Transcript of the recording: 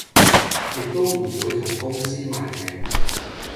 亦都唔會同公司賣命